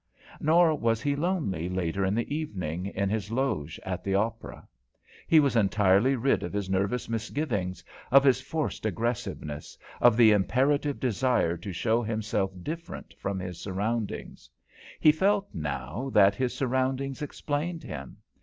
Nor was he lonely later in the evening, in his loge at the Opera. He was entirely rid of his nervous misgivings, of his forced aggressiveness, of the imperative desire to show himself different from his surroundings. He felt now that his surroundings explained him.